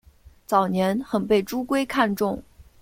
早年很被朱圭看重。